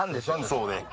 そうね。